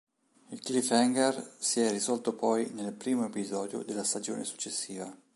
Il cliffhanger si è risolto poi nel primo episodio della stagione successiva.